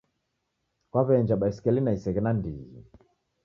Kwawe'enja baisikeli na iseghe nandighi